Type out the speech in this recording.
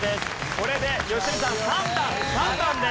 これで良純さん３段３段です。